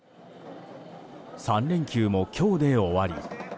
３連休も今日で終わり。